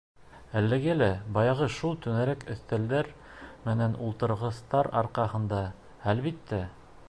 Әлеге лә баяғы шул түңәрәк өҫтәлдәр менән ултырғыстар арҡаһында, әлбиттә.